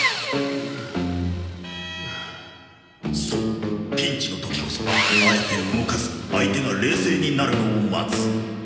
そうピンチの時こそあえて動かず相手が冷静になるのを待つ